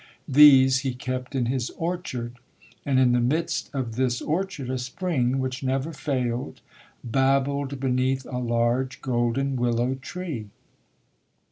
These he kept in his orchard; and in the midst of this or chard a spring which never failed, babbled beneath a large golden willow tree.